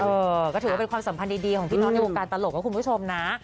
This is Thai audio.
เออก็ถือว่าเป็นความสัมพันธ์ดีของพี่น้องในวงการตลกนะคุณผู้ชมนะ